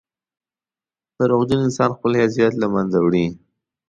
• دروغجن انسان خپل حیثیت له منځه وړي.